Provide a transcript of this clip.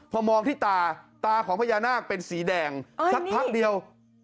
พอมองที่ตาตาของพญานาคเป็นสีแดงสักพักเดียว